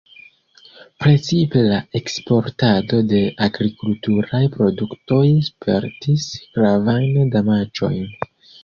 Precipe la eksportado de agrikulturaj produktoj spertis gravajn damaĝojn.